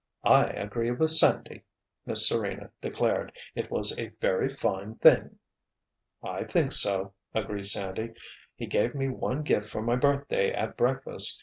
"I agree with Sandy," Miss Serena declared. "It was a very fine thing——" "I think so," agreed Sandy. "He gave me one gift for my birthday at breakfast.